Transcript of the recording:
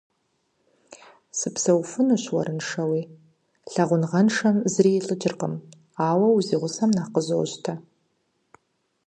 Сыпсэуфынущ уэрыншэуи, лъэгъуныгъэншэм зыри илӏыкӏыркъым, ауэ узигъусэм нэхъ къызощтэ.